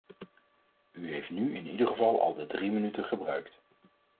U heeft nu in ieder geval al de drie minuten gebruikt.